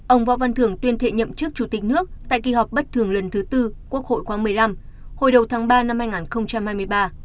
ông võ văn thường tuyên thệ nhậm chức chủ tịch nước tại kỳ họp bất thường lần thứ tư quốc hội khoáng một mươi năm hồi đầu tháng ba năm hai nghìn hai mươi ba